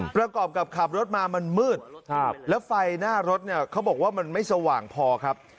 ประกอบกับขับรถมามันมืดแล้วไฟหน้ารถเนี่ยเขาบอกว่ามันไม่สว่างพอครับ